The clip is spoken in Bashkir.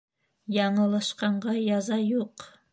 Яңылышҡанға яза юҡ.